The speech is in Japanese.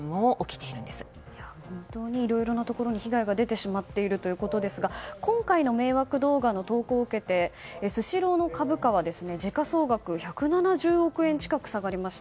本当にいろいろなところに被害が出てしまっているということですが今回の迷惑動画の投稿を受けてスシローの株価は時価総額１７０億円近く下がりました。